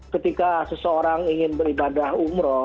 ketika seseorang ingin beribadah umroh